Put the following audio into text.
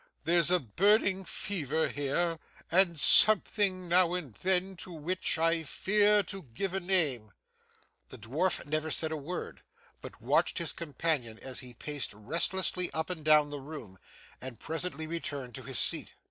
'There's burning fever here, and something now and then to which I fear to give a name.' The dwarf said never a word, but watched his companion as he paced restlessly up and down the room, and presently returned to his seat.